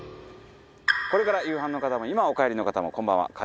これから夕飯の方も今お帰りの方もこんばんは。